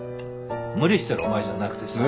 無理してるお前じゃなくてさ。